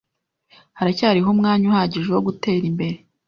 Haracyariho umwanya uhagije wo gutera imbere.